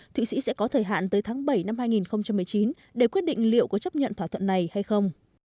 thụy sĩ sẽ có thời hạn tới tháng bảy năm hai nghìn một mươi chín để quyết định liệu có chấp nhận thỏa thuận này hay không